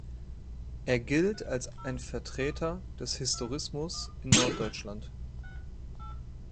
Er gilt als ein Vertreter des Historismus in Norddeutschland.